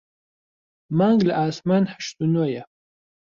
مانگ لە ئاسمان هەشت و نۆیە